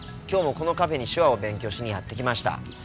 今日もこのカフェに手話を勉強しにやって来ました。